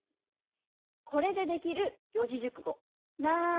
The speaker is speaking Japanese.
これでできる四字熟語なんだ？